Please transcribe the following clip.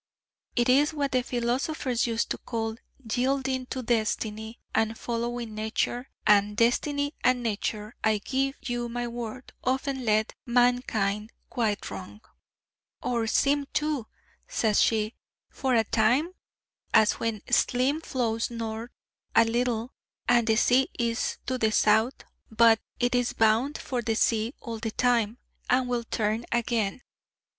It is what the philosophers used to call "yielding to Destiny," and "following Nature." And Destiny and Nature, I give you my word, often led mankind quite wrong ' 'Or seemed to,' says she 'for a time: as when a stleam flows north a little, and the sea is to the south: but it is bound for the sea all the time, and will turn again.